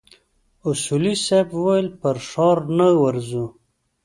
اصولي صیب وويل پر ښار نه ورځو.